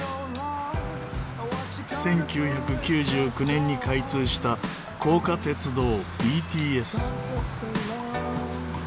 １９９９年に開通した高架鉄道ＢＴＳ。